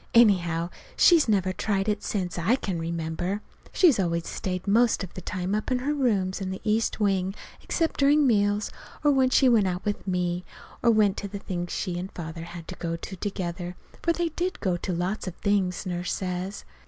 Anyhow, she's never tried it since I can remember. She's always stayed most of the time up in her rooms in the east wing, except during meals, or when she went out with me, or went to the things she and Father had to go to together. For they did go to lots of things, Nurse says.